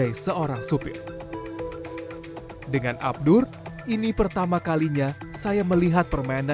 yang juga membuat si orang thrones ini mati karena